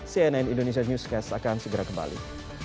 cnn indonesia newscast akan segera kembali